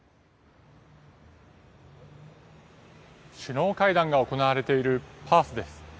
首脳会談が行われているパースです。